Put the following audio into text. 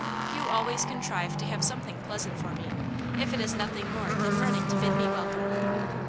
You always contrive to have something pleasant for me, if it is nothing more than running to bid me welcome."